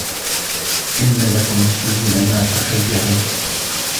إن لكم فيه لما تخيرون